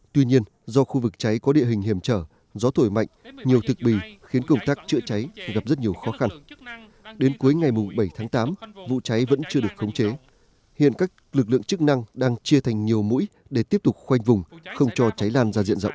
tuy nhiên do khu vực cháy có địa hình hiểm trở gió thổi mạnh nhiều thực bì khiến công tác chữa cháy gặp rất nhiều khó khăn đến cuối ngày bảy tháng tám vụ cháy vẫn chưa được khống chế hiện các lực lượng chức năng đang chia thành nhiều mũi để tiếp tục khoanh vùng không cho cháy lan ra diện rộng